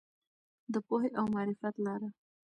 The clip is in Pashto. د پوهې او معرفت لاره.